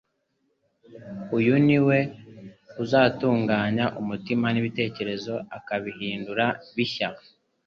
Uyu niwe uzatunganya umutima n’ibitekerezo akabihindura bishya,